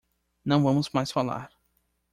Não vamos mais falar.